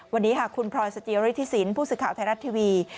วันนี้คุณพรอยสัจเยียวริธิสินผู้สื่อข่าวไทยรัฐทีวี